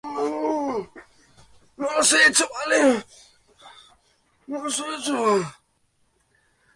Estas hembras pondrán los huevos fecundados antes del invierno.